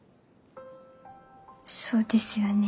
そうですよね。